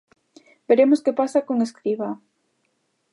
Veremos que pasa con Escribá.